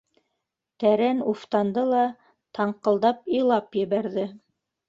Тәрән уфтанды ла таңҡылдап илап ебәрҙе.